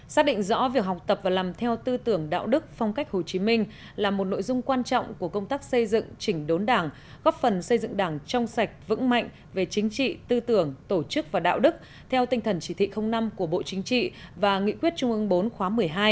xác định rõ việc học tập và làm theo tư tưởng đạo đức phong cách hồ chí minh là một nội dung quan trọng của công tác xây dựng chỉnh đốn đảng góp phần xây dựng đảng trong sạch vững mạnh về chính trị tư tưởng tổ chức và đạo đức theo tinh thần chỉ thị năm của bộ chính trị và nghị quyết trung ương bốn khóa một mươi hai